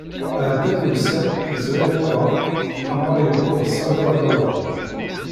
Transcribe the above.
Ɛeddan wussan zrin wuḍan amɣar yewweḍ s anda ara naweḍ.